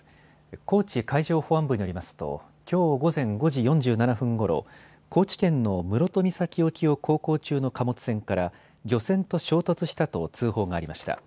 高知海上保安部によりますときょう午前５時４７分ごろ、高知県の室戸岬沖を航行中の貨物船から漁船と衝突したと通報がありました。